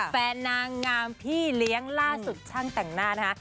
นางงามพี่เลี้ยงล่าสุดช่างแต่งหน้านะคะ